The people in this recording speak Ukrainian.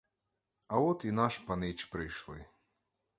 А, от і наш панич прийшли.